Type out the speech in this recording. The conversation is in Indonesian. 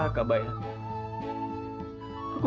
jika kau tidak bisa melindungimu maafkan aku